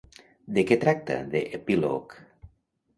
De què tracta The Epilogue?